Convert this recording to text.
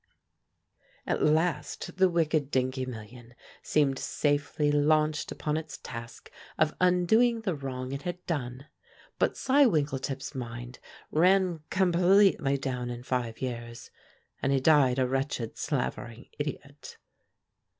At last the wicked Dingee million seemed safely launched upon its task of undoing the wrong it had done; but Cy Winkletip's mind ran completely down in five years and he died a wretched slavering, idiot.